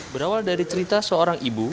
berawal dari cerita seorang ibu